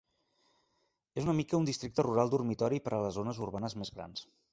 És una mica un districte rural dormitori per a les zones urbanes més grans.